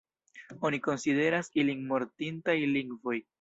Oni konsideras ilin mortintaj lingvoj.